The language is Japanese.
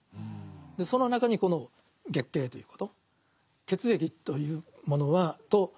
その中にこの月経ということ。